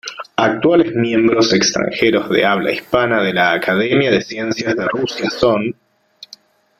Actuales miembros extranjeros de habla hispana de la Academia de Ciencias de Rusia son